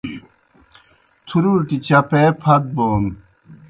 تُھرُوٹیْ چپے پھت بون